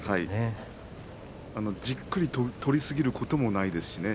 じっくり取りすぎることもないです。